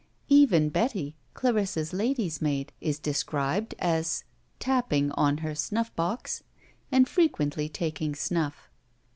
Even Betty, Clarissa's lady's maid, is described as "tapping on her snuff box," and frequently taking snuff.